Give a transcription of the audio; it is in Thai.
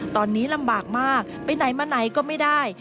ตอนนี้ลำบากมากไปไหนมาไหนก็ไม่ได้